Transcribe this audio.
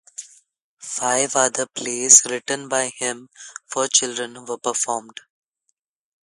Five other plays written by him for children were performed.